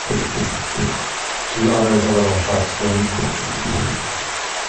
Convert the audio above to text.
She utters a little sharp scream.